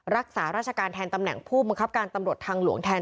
รักษาราชการแทนตำแหน่งผู้บังคับการตำรวจทางหลวงแทน